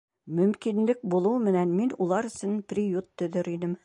Мөмкинлек булыу менән мин улар өсөн приют төҙөр инем.